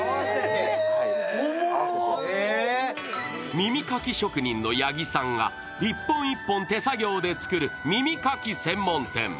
耳かき職人の八木さんが１本１本手作業で作る耳かき専門店。